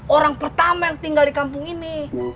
orang pertama yang tinggal di kampung ini